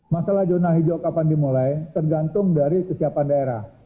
masalah zona hijau kapan dimulai tergantung dari kesiapan daerah